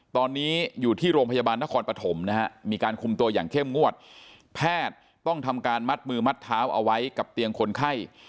ตอนนี้อยู่ที่โรงพยาบาลนครปฐมนะฮะมีการคุมตัวอย่างเข้มงวดแพทย์ต้องทำการมัดมือมัดเท้าเอาไว้กับเตียงคนไข้